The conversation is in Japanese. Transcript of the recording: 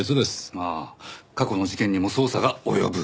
ああ過去の事件にも捜査が及ぶ。